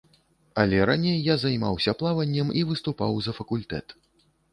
Але раней я займаўся плаваннем і выступаў за факультэт.